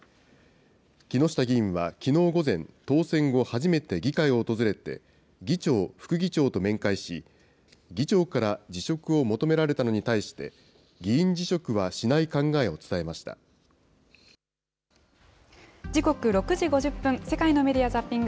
木下議員はきのう午前、当選後初めて議会を訪れて議長、副議長と面会し、議長から辞職を求められたのに対して、議員辞職はしない考えを伝時刻６時５０分、世界のメディア・ザッピング。